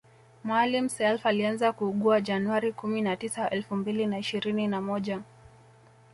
Maalim Self alianza kuugua january kumi na tisa elfu mbili na ishirini na moja